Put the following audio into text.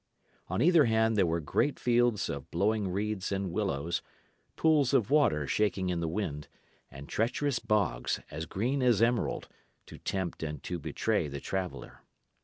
On either hand there were great fields of blowing reeds and willows, pools of water shaking in the wind, and treacherous bogs, as green as emerald, to tempt and to betray the traveller.